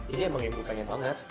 ini emang yang gue pengen banget